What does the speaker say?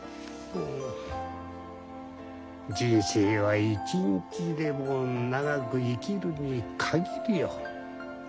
人生は一日でも長く生きるに限るよ。